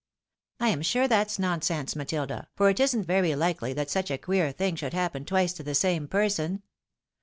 " I am sure that's nonsense, Matilda, for it isn't very likely that such a queer thing should happen twice to the same person.